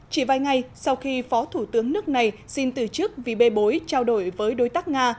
chỉ vài ngày sau khi phó thủ tướng nước này xin từ chức vì bê bối trao đổi với đối tác nga